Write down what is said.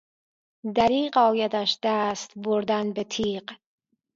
دریغ آیدش دست بردن بتیغ